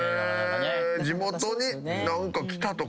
地元に何か来たとか。